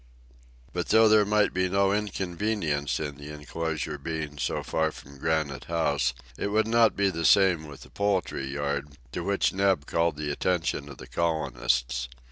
But though there might be no inconvenience in the enclosure being so far from Granite House, it would not be the same with the poultry yard, to which Neb called the attention of the colonists.